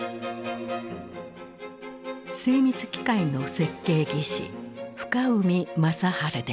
精密機械の設計技師深海正治である。